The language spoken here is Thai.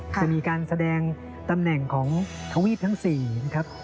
จะมีการแสดงตำแหน่งของทวีปทั้ง๔นะครับ